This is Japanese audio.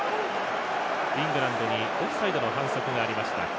イングランドにオフサイドの反則がありました。